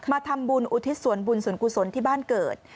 มาทำบุญอุทิศส่วนบุญส่วนกุศลที่บ้านเกิด